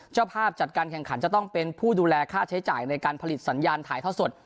เจ้าภาพจัดการแข่งขันจะต้องเป็นผู้ดูแลค่าใช้จ่ายในการผลิตสัญญาณถ่ายทอดสด